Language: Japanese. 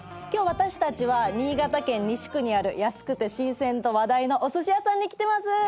今日私たちは新潟県西区にある安くて新鮮と話題のおすし屋さんに来てます。